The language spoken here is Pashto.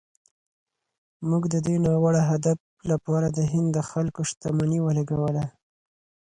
موږ د دې ناوړه هدف لپاره د هند د خلکو شتمني ولګوله.